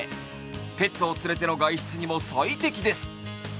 ペットを連れての外出にも最適です。